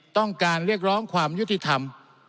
ต้องการเรียกร้องความยุติธรรม